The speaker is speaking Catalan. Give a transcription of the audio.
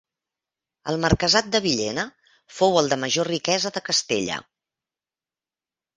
El marquesat de Villena, fou el de major riquesa de Castella.